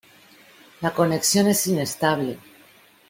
La conexión es inestable